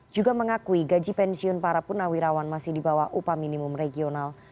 juga mengakui gaji pensiun para punawirawan masih di bawah upah minimum regional